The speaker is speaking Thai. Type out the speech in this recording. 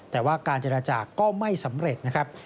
แต่ว่าการเจรจาก็ไม่สำเร็จนะครับ